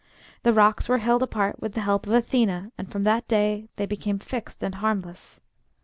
The rocks were held apart with the help of Athena, and from that day they became fixed and harmless.